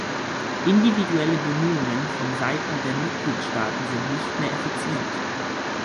Individuelle Bemühungen vonseiten der Mitgliedstaaten sind nicht mehr effizient.